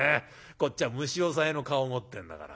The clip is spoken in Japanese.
こっちは虫押さえの顔を持ってんだから。